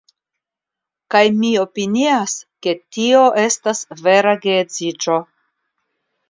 Kaj mi opinias ke tio estas vera geedziĝo.